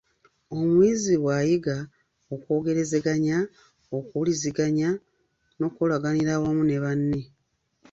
Omuyizi by'ayiga: okwogeraganya, okuwuliziganya n’okukolaganira awamu ne banne.